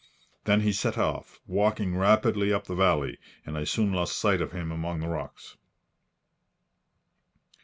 Then he set off, walking rapidly up the valley, and I soon lost sight of him among the rocks.